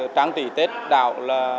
trang trí tết đảo